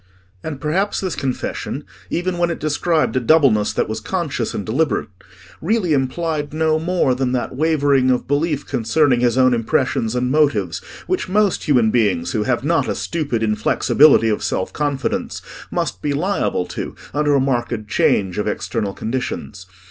And perhaps this confession, even when it described a doubleness that was conscious and deliberate, really implied no more than that wavering of belief concerning his own impressions and motives which most human beings who have not a stupid inflexibility of self confidence must be liable to under a marked change of external conditions.